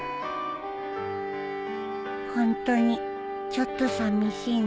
ホントにちょっとさみしいね